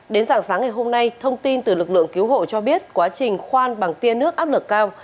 đến dạng sáng ngày hôm nay thông tin từ lực lượng cứu hộ cho biết quá trình khoan bằng tiên nước áp lực cao